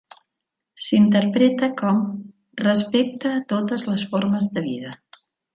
S'interpreta com "respecta a totes les formes de vida".